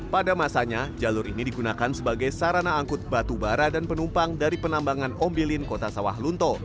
pada masanya jalur ini digunakan sebagai sarana angkut batu bara dan penumpang dari penambangan ombilin kota sawah lunto